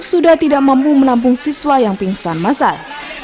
sudah tidak mampu menampung siswa yang pingsan masal